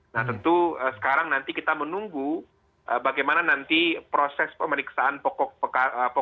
nah tentu sekarang nanti kita menunggu bagaimana nanti proses pemeriksaan pokok perkara